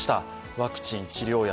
ワクチン、治療薬